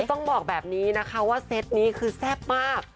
ต้องบอกแบบนี้นะคะว่าเซตนี้คือแซ่บมาก